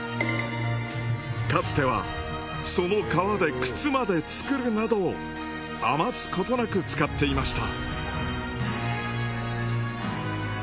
かつてはその皮で靴まで作るなど余すことなく使っていました。